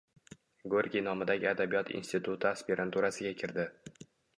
Gorkiy nomidagi Adabiyot instituti aspiranturasiga kirdi